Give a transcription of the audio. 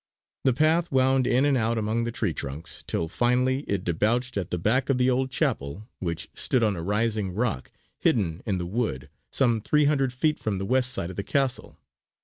The path wound in and out among the tree trunks, till finally it debouched at the back of the old chapel which stood on a rising rock, hidden in the wood, some three hundred feet from the west side of the castle.